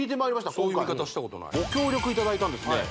今回ご協力いただいたんですね